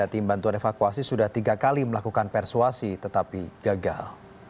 tim bantuan evakuasi sudah tiga kali melakukan persuasi tetapi gagal